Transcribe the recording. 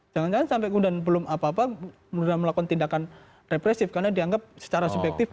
jangan jangan sampai kemudian belum apa apa melakukan tindakan represif karena dianggap secara subjektif